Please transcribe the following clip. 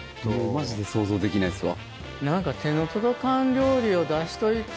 マジで想像できないですわ。